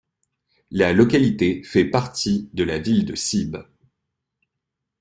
La localité fait partie de la ville de Sib.